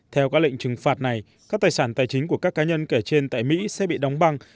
theo các lệnh trừng phạt này các tài sản tài chính của các cá nhân kể trên tại mỹ sẽ bị đóng băng